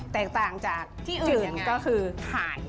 แต่ต่างจากจื่นก็คือถ่าน